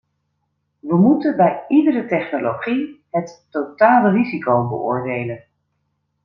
We moeten bij iedere technologie het totale risico beoordelen.